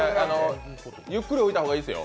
ゆっくり置いた方がいいですよ。